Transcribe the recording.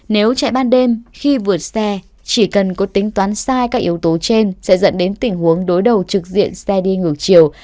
nếu chạy ban đêm khi vượt xe chỉ cần có tính toán sai các yếu tố trên sẽ dẫn đến tình huống đối đầu trực diện xe đi ngược chiều